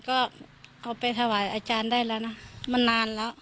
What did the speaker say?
ก็เอาไปถวายอาจารย์ได้แล้วนะมันนานแล้ว